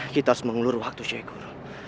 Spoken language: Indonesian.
kita harus mengelur waktu syekh guru